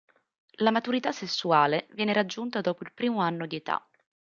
La maturità sessuale viene raggiunta dopo il primo anno di età.